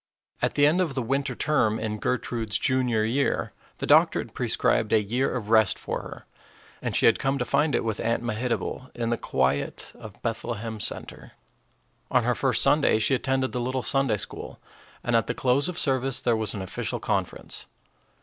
At the end of the winter term in Gertrude's junior year the doctor had prescribed a year of rest for her, and she had come to find it with Aunt Mehitable, in the quiet of Bethlehem Center. On her first Sunday she attended the little Sunday school, and at the close of service there was an official conference.